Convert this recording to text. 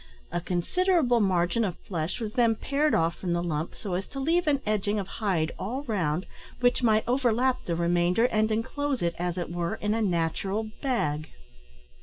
A considerable margin of flesh was then pared off from the lump, so as to leave an edging of hide all round, which might overlap the remainder, and enclose it, as it were, in a natural bag.